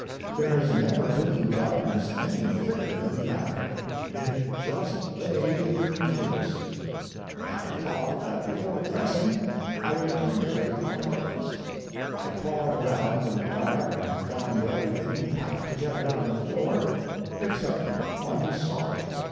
There has never been darkness any thicker than that. It just lay in cakes. I thought that before dressing I would accumulate my clothes. I pawed around in the dark and found everything packed together on the floor except one sock.